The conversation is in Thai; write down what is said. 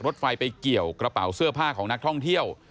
รถไฟไปเกี่ยวกระเป๋าเสื้อผ้าของนักท่องเที่ยว